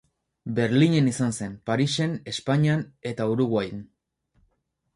Berlinen izan zen, Parisen, Espainian eta Uruguain.